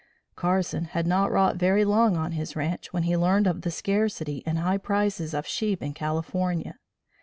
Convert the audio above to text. Carson had not wrought very long on his ranche, when he learned of the scarcity and high prices of sheep in California.